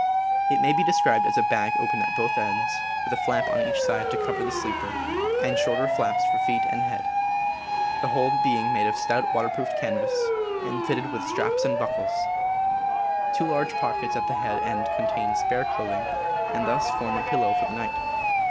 It may be described as a bag , open at both ends, with a flap on each ««r AU »»®^^^*^ cover the sleeper, and shorter Carry AU. ^^^^^^^^^^^^^^ j^^^^^ ^^^^^^^^^^_ ing made of stout waterproofed canvas, and fitted with straps and buckles. Two large pockets at the head end contain spare clothing, and thus form a pillow for the night.